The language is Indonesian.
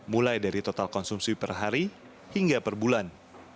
mulai dari total konsumsi per hari hingga per bulan